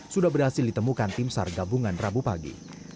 sudah berhasil ditemukan tim sargabungan rabu pagi